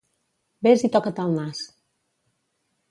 Ves i toca't el nas.